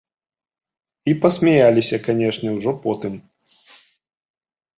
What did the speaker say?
І пасмяяліся, канешне, ужо потым.